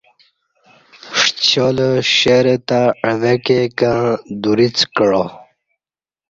ݜیالہ شیرہ تہ عوہ کے کں دریڅ کعا